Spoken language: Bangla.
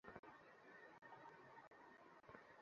এই জ্ঞান অনন্তকাল ধরিয়া সেখানে রহিয়াছে।